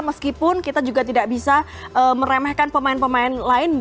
meskipun kita juga tidak bisa meremehkan pemain pemain lain